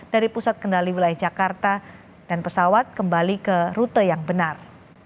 dari pusat kendali wilayah jakarta dan pesawat kembali ke rute yang benar